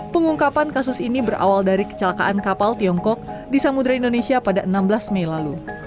pengungkapan kasus ini berawal dari kecelakaan kapal tiongkok di samudera indonesia pada enam belas mei lalu